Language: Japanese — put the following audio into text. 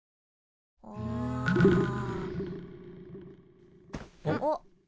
うん。おっ。